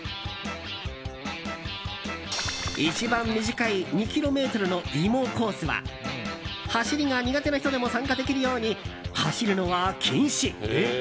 一番短い２ｋｍのイモコースは走りが苦手な人でも参加できるように走るのは禁止。